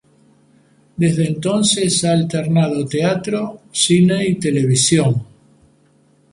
Desde entonces ha alternado teatro, cine y televisión.